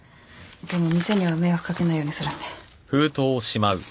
でも店には迷惑かけないようにするんで。